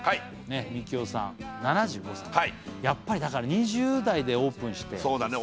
ねっ三樹男さん７５歳やっぱりだから２０代でオープンしてそうだね